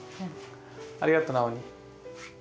ありがとなおにい。